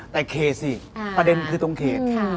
แต่เขตสิประเด็นคือตรงเขต